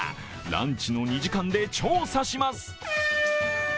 ランチの２時間で調査します。